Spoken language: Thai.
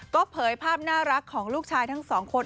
ก็เผยภาพน่ารักของลูกชายทั้งสองคน